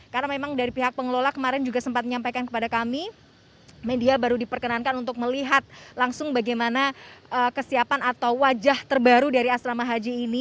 karena memang dari pihak pengelola kemarin juga sempat menyampaikan kepada kami media baru diperkenankan untuk melihat langsung bagaimana kesiapan atau wajah terbaru dari asrama haji